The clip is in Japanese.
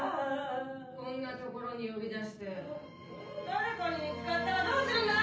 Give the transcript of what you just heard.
・・こんな所に呼び出して誰かに見つかったらどうするんだい